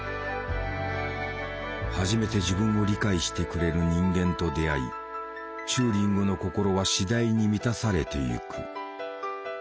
初めて自分を理解してくれる人間と出会いチューリングの心は次第に満たされてゆく。